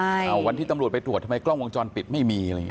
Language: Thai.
ใช่วันที่ตำรวจไปตรวจทำไมกล้องวงจรปิดไม่มีอะไรอย่างนี้